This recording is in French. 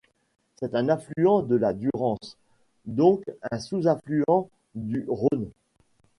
C'est un affluent de la Durance, donc un sous-affluent du Rhône.